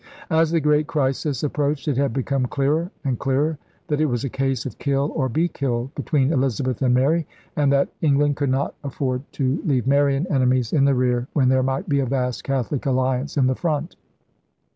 As the great crisis approached, it had become clearer and clearer that it was a case of kill or be killed between Elizabeth and Mary, and that England could not afford to leave Marian enemies in the rear when there might be a vast Catholic alliance in the front.